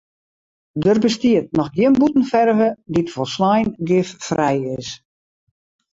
Der bestiet noch gjin bûtenferve dy't folslein giffrij is.